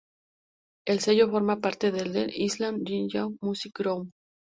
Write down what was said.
El sello forma parte de The Island Def Jam Music Group.